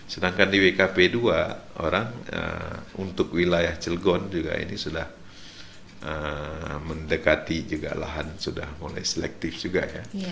sedangkan di wkp dua orang untuk wilayah cilgon juga ini sudah mendekati juga lahan sudah mulai selektif juga ya